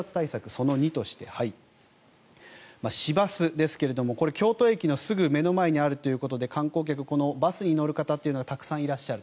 その２ということで市バスですが、京都駅のすぐ目の前にあるということで観光客、このバスに乗る方がたくさんいらっしゃる。